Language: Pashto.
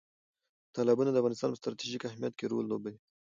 تالابونه د افغانستان په ستراتیژیک اهمیت کې رول لوبوي.